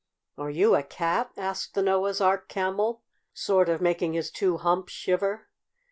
"Are you a cat?" asked the Noah's Ark Camel, sort of making his two humps shiver.